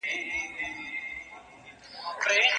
درته یادیږي بېله جنګه د خپل ښار خبري؟